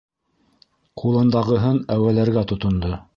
Ҡулындағыһын әүәләргә тотондо.